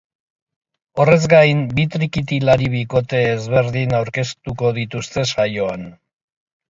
Horrez gain, bi trikitilari bikote ezberdin aurkeztuko dituzte saioan.